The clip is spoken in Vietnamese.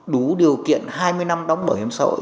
đủ điều kiện hai mươi năm đóng bảo hiểm xã hội